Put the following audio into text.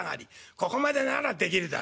ここまでならできるだろ」。